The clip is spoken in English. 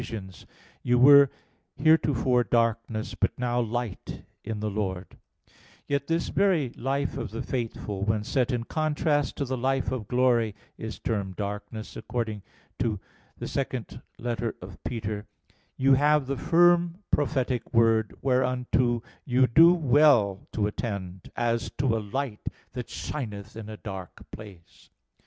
5:8: "You were heretofore darkness; but now, light in the Lord": yet this very life of the faithful, when set in contrast to the life of glory, is termed darkness, according to 2 Pet. 1:19: "You have the firm prophetic word, whereunto you do well to attend, as to a light that shineth in a dark place."